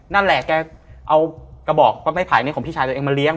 นั่นแหละแกเอากระบอกประเภทภายในของพี่ชายตัวเองมาเลี้ยง